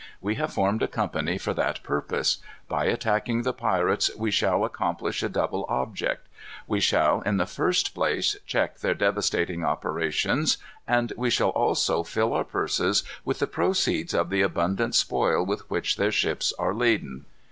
We have formed a company for that purpose. By attacking the pirates we shall accomplish a double object. We shall in the first place check their devastating operations, and we shall also fill our purses with the proceeds of the abundant spoil with which their ships are laden."